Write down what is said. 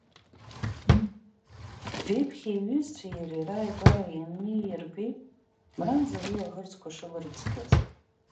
Веԥхьи иҩызцәеи иареи рааигәа ианнеи ирбеит Мрамза лылаӷырӡқәа шылрыцқьоз.